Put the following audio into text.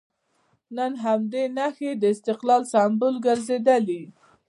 نن همدې نښې د استقلال سمبول ګرځېدلي.